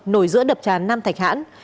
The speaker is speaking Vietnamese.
nồi giữa đập tràn nam thạch hãn